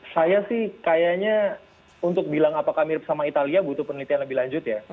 saya sih kayaknya untuk bilang apakah mirip sama italia butuh penelitian lebih lanjut ya